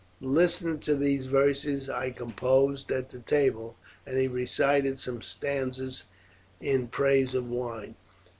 "Listen to these verses I composed at the table;" and he recited some stanzas in praise of wine.